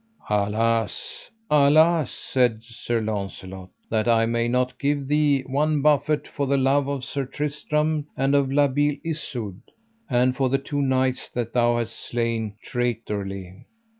Alas, alas, said Sir Launcelot, that I may not give thee one buffet for the love of Sir Tristram and of La Beale Isoud, and for the two knights that thou hast slain traitorly.